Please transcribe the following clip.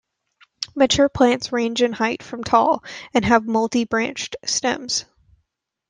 Mature plants range in height from tall and have multi-branched stems.